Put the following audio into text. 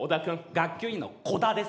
学級委員の「こだ」です。